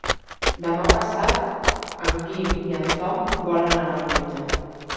Demà passat en Guim i en Tom volen anar al metge.